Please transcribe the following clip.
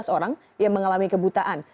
dua belas orang yang mengalami kebutaan